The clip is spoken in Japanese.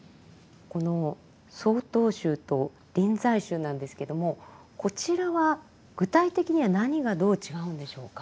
この曹洞宗と臨済宗なんですけどもこちらは具体的には何がどう違うんでしょうか？